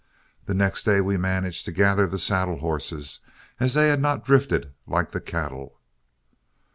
The next day we managed to gather the saddle horses, as they had not drifted like the cattle.